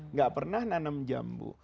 nggak pernah nanam jambu